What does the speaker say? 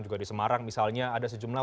juga di semarang misalnya ada sejumlah